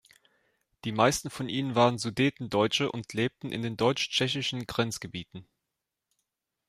Die meisten von ihnen waren Sudetendeutsche und lebten in den deutsch-tschechischen Grenzgebieten.